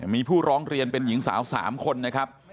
มีผู้ร้องเรียนเป็นหญิงสาว๓คนนะครับ